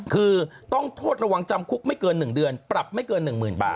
คือต้องโทษระวังจำคุกไม่เกิน๑เดือนปรับไม่เกิน๑๐๐๐บาท